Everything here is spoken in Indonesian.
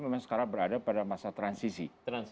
memang sekarang berada pada masa transisi